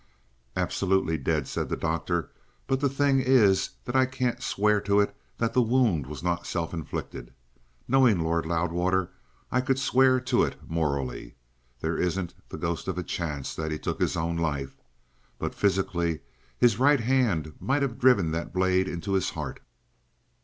"Absolutely dead," said the doctor. "But the thing is that I can't swear to it that the wound was not self inflicted. Knowing Lord Loudwater, I could swear to it morally. There isn't the ghost of a chance that he took his own life. But physically, his right hand might have driven that blade into his heart."